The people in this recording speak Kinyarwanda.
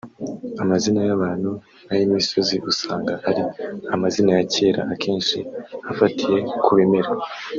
Amazina y’abantu n’ay’imisozi usanga ari amazina ya kera akenshi afatiye ku bimera